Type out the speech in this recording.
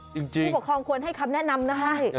ผู้ปกครองควรให้คำแนะนำได้